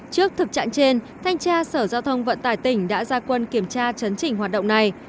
trước thực trạng trên thanh tra sở giao thông vận tải tỉnh đã ra quân kiểm tra chấn chỉnh hoạt động này